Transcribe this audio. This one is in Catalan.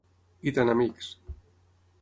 I tan amics.